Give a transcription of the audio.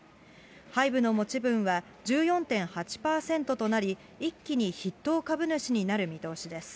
ハイブの持ち分は、１４．８％となり、一気に筆頭株主になる見通しです。